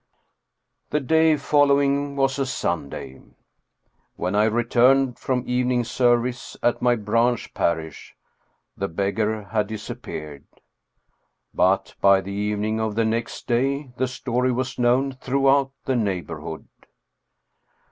The day following was a Sunday. When I returned from evening service at my branch parish, the beggar had dis appeared. But by the evening of the next day the story was known throughout the neighborhood.